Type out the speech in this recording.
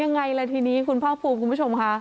ยังไงล่ะทีนี้คุณภาคภูมิคุณผู้ชมค่ะ